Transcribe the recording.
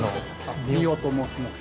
三尾と申します。